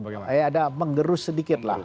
ya ada menggerus sedikitlah